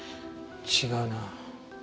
違うな。